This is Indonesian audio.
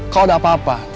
kalo ada apa apa